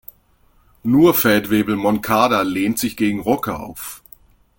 Nur Feldwebel Moncada lehnt sich gegen Roca auf.